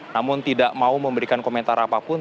namun tidak mau memberikan komentar apapun